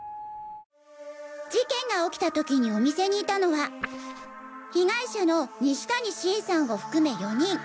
「事件が起きた時にお店にいたのは被害者の西谷信さんを含め４人。